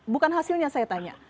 bukan hasilnya saya tanya